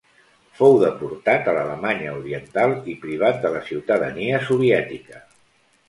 Fou deportat a l'Alemanya oriental i privat de la ciutadania soviètica.